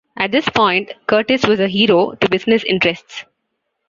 At this point, Curtis was a hero to business interests.